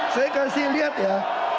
saya kasih lihat ya